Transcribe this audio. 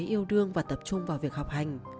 yêu đương và tập trung vào việc học hành